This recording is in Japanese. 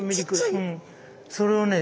それをね